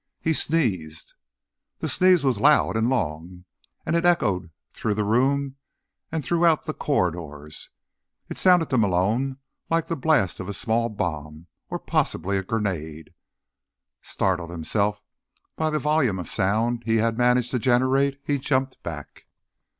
He sneezed. The sneeze was loud and long, and it echoed through the room and throughout the corridors. It sounded to Malone like the blast of a small bomb, or possibly a grenade. Startled himself by the volume of sound he had managed to generate, he jumped back.